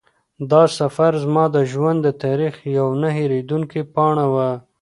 دا سفر زما د ژوند د تاریخ یوه نه هېرېدونکې پاڼه وه.